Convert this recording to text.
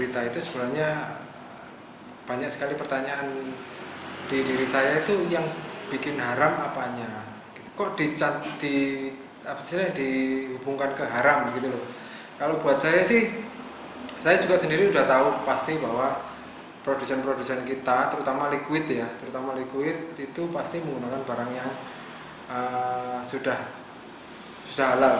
terutama liquid itu pasti menggunakan barang yang sudah halal